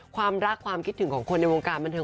ความรักความคิดถึงของคนในวงการบันเทิ